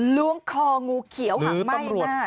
ร่วงคองูเขียวห่างไหม้หน้า